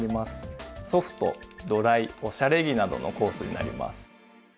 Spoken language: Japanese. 「ソフト」「ドライ」「おしゃれ着」などのコースになります。